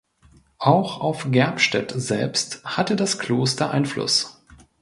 Auch auf Gerbstedt selbst hatte das Kloster Einfluss.